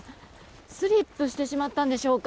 スリップしてしまったんでしょうか。